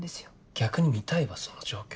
逆に見たいわその状況。